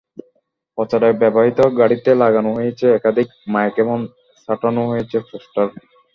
প্রচারে ব্যবহূত গাড়িতে লাগানো হয়েছে একাধিক মাইক এবং সাঁটানো হয়েছে পোস্টার।